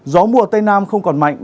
gió mùa tây nam không còn mạnh